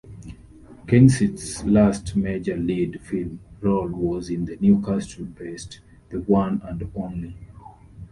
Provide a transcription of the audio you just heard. Kensit's last major lead film role was in the Newcastle-based "The One and Only".